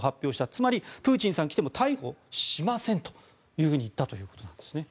つまり、プーチンさん来ても逮捕しませんと言ったということなんですね。